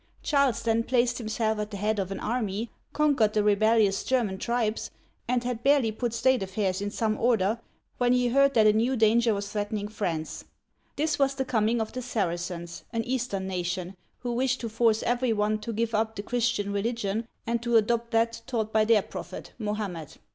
Charles then placed hims'^ uigitizea oy vjiOOQlC 64 OLD FRANCE at the head of an army, conquered the rebellious German tribes, and had barely put state affairs in some order when he heard that a new danger was threatening France. This was the coming of the Sar'acens, an Eastern nation, who wished to force every one to give up the Christian religion and to adopt that taught by their prophet, Mohammed.